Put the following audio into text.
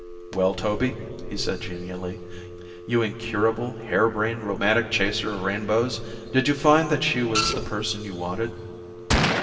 "Well Toby," he said genially, "you incurable, hare brained romantic chaser of rainbows, did you find that she was the person you wanted?"